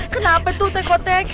kenapa tuh tek kotek